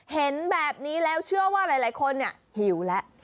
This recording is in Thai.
เห็นแบบนี้แล้วเชื่อว่าหลายคนหิวแล้ว